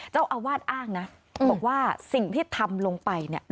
เจ้าอาวาสอ้างนะบอกว่าสิ่งที่ทำลงไปเนี่ย